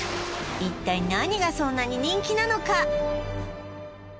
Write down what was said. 一体何がそんなに人気なのか？